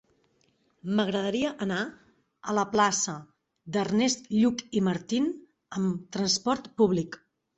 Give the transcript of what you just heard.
M'agradaria anar a la plaça d'Ernest Lluch i Martín amb trasport públic.